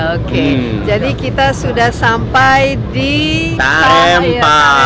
oke jadi kita sudah sampai di rempah